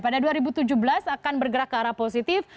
pada dua ribu tujuh belas akan bergerak ke arah positif